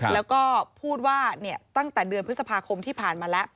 แล้วก็พูดว่าตั้งแต่เดือนพฤษภาคมที่ผ่านมาแล้ว